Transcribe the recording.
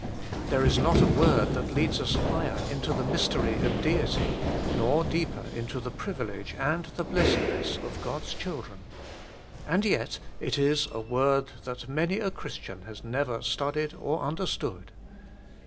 There is not a word that leads us higher into the mystery of Deity, nor deeper into the privilege and the blessedness of God's children. And yet it is a word that many a Christian has never studied or understood.